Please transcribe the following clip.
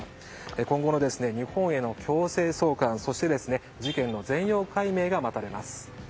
今後の日本への強制送還そして事件の全容解明が待たれます。